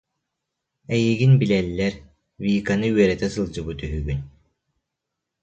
Эйигин билэллэр, Виканы үөрэтэ сылдьыбыт үһүгүн